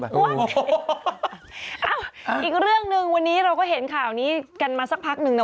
อีกเรื่องหนึ่งวันนี้เราก็เห็นข่าวนี้กันมาสักพักนึงนะ